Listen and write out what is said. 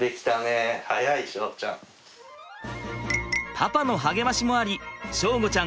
パパの励ましもあり祥吾ちゃん